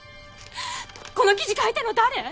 この記事書いたの誰！？